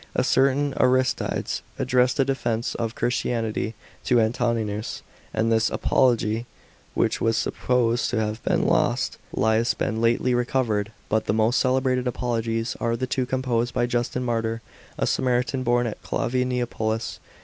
A certain Aristides addressed a defence of Christianity to Antoninus ; and this Apology, which was supposed to have been lost, lias been lately recovered. But the most celebrated Apologies are the two composed by Justin Martyr, a Samaritan, born at Klavia Neapolis.